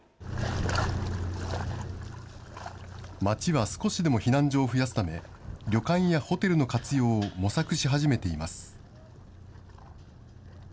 町は少しでも避難所を増やすため、旅館やホテルの活用を模索し始めています。